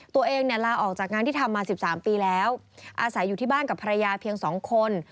ตัวเองลาออกจากงานที่ทำมา๑๓ปีแล้วอาศัยอยู่ที่บ้านกับภรรยาเพียง๒คน